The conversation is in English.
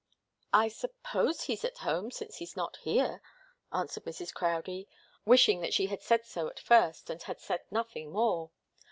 "I suppose he's at home, since he's not here," answered Mrs. Crowdie, wishing that she had said so at first and had said nothing more.